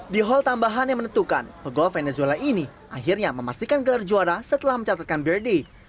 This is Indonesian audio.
di hall tambahan yang menentukan pegol venezula ini akhirnya memastikan gelar juara setelah mencatatkan birday